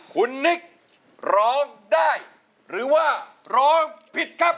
คุณนิกร้องได้หรือว่าร้องผิดครับ